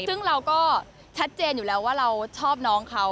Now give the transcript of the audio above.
ซึ่งเราก็ชัดเจนอยู่แล้วว่าเราชอบน้องเขา